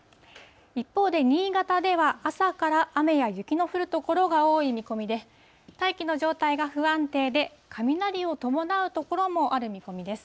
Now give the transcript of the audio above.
一方で新潟では、朝から雨や雪の降る所が多い見込みで、大気の状態が不安定で、雷を伴う所もある見込みです。